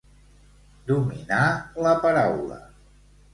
Dominar la paraula.